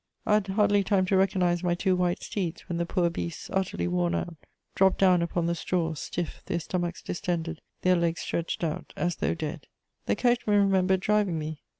I had hardly time to recognise my two white steeds, when the poor beasts, utterly worn out, dropped down upon the straw, stiff, their stomachs distended, their legs stretched out, as though dead. The coachman remembered driving me.